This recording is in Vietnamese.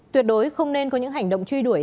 tuyệt đối không nên có những hành động truy đuổi